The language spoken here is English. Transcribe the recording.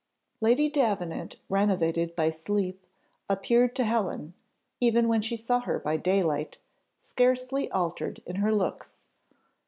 Lady Davenant, renovated by sleep, appeared to Helen, even when she saw her by daylight, scarcely altered in her looks.